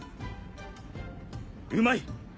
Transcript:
うまい！